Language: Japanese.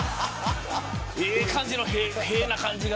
ええ感じの屁な感じが。